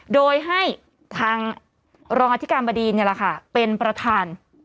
โดยให้ทางรองอธิการบดีนเป็นประธาน